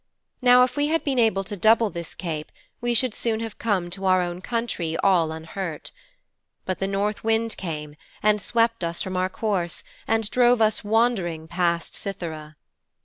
Now if we had been able to double this cape we should soon have come to our own country, all unhurt. But the north wind came and swept us from our course and drove us wandering past Cythera.'